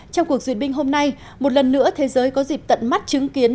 trong cuộc duyệt binh hôm nay một lần nữa thế giới có dịp tận mắt chứng kiến